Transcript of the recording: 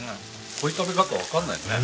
こういう食べ方わかんないよね。